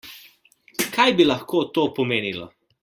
Kaj bi lahko to pomenilo?